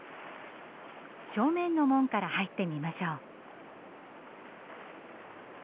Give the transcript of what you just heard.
正面の門から入ってみましょう。